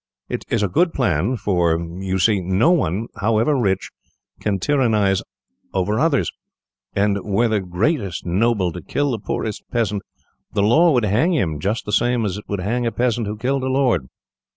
It is a good plan, for you see no one, however rich, can tyrannise over others; and were the greatest noble to kill the poorest peasant, the law would hang him, just the same as it would hang a peasant who killed a lord.